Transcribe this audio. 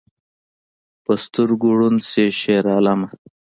په سترګو ړوند شې شیرعالمه